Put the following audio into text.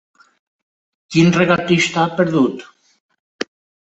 Quin regatista ha perdut?